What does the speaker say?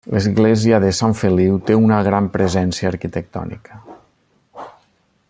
L'església de Sant Feliu té una gran presència arquitectònica.